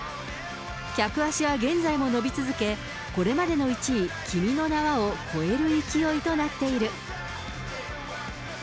客足は現在も伸び続け、これまでの１位、君の名は。を超える勢いとなっている。